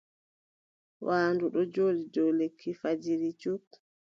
Waandu ɗo jooɗi dow lekki fajiri cup.